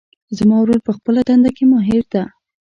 زما ورور په خپلهدنده کې ماهر ده